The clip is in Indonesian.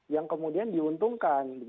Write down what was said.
yang kemudian diuntungkan